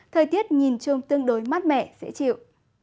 thời tiết nhìn chung tương đối mát mẻ dễ chịu